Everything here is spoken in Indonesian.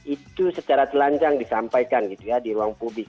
itu secara telanjang disampaikan di ruang publik